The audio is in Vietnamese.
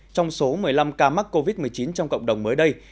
trong số một mươi năm ca mắc covid một mươi chín trong cộng đồng mới đây